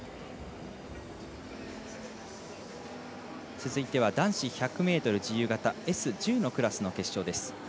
続いては、男子１００ｍ自由形Ｓ１０のクラスの決勝です。